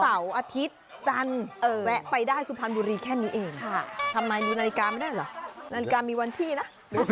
เสาร์อาทิตย์จันทร์แวะไปได้สุพรรณบุรีแค่นี้เองทำไมดูนาฬิกาไม่ได้เหรอนาฬิกามีวันที่นะ